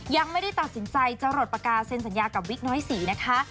ยังไม่ได้ตัดสินใจจะหลดปากกาเซ็นสัญญากับวิกน้อยศรีนะคะ